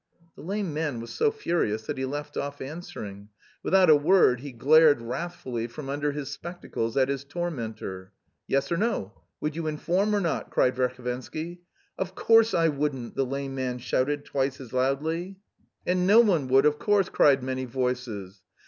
The lame man was so furious that he left off answering. Without a word he glared wrathfully from under his spectacles at his tormentor. "Yes or no? Would you inform or not?" cried Verhovensky. "Of course I wouldn't," the lame man shouted twice as loudly. "And no one would, of course not!" cried many voices.